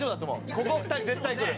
ここ２人絶対来る。